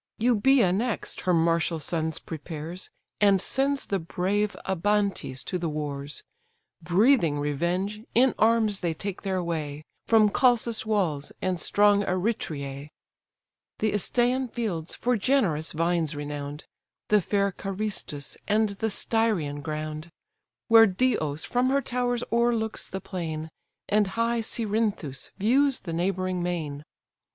Eubœa next her martial sons prepares, And sends the brave Abantes to the wars: Breathing revenge, in arms they take their way From Chalcis' walls, and strong Eretria; The Isteian fields for generous vines renown'd, The fair Caristos, and the Styrian ground; Where Dios from her towers o'erlooks the plain, And high Cerinthus views the neighbouring main.